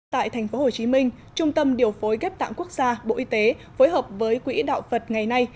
tại tp hcm trung tâm điều phối ghép tạng quốc gia bộ y tế phối hợp với quỹ đạo phật ngày nay